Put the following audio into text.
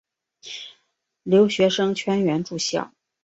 留学生全员住校。